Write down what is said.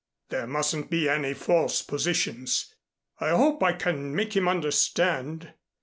There mustn't be any false positions. I hope I can make him understand.